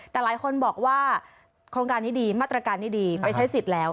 แต่หลายคนบอกว่าโครงการนี้ดีมาตรการนี้ดีไปใช้สิทธิ์แล้ว